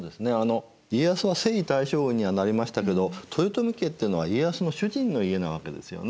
家康は征夷大将軍にはなりましたけど豊臣家ってのは家康の主人の家なわけですよね。